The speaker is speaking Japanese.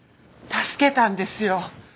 助けたんですよ。